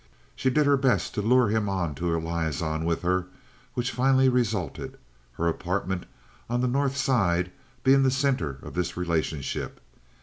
She did her best to lure him on to a liaison with her, which finally resulted, her apartment on the North Side being the center of this relationship.